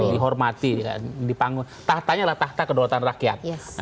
di hormati tahtanya adalah tahta kedaulatan rakyat